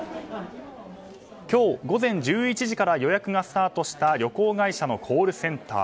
今日午前１１時から予約がスタートした旅行会社のコールセンター。